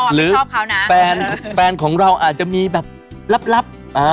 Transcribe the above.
หรือแฟนของเราอาจจะมีแบบลับ